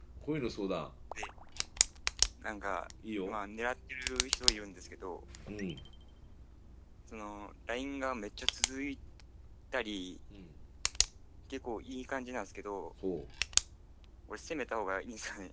なんか今ねらってる人がいるんですけどそのＬＩＮＥがめっちゃ続いたり結構いい感じなんすけど攻めたほうがいいんすかね？